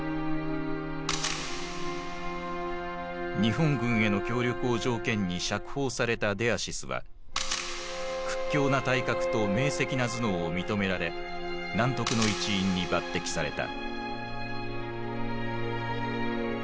日本軍への協力を条件に釈放されたデアシスは屈強な体格と明せきな頭脳を認められナントクの一員に抜てきされた。